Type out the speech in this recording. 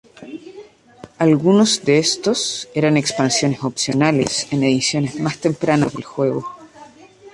Algunos de estos era expansiones opcionales en ediciones más tempranas del juego.